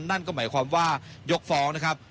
นั่นก็หมายความว่ายกฟ้องนะครับ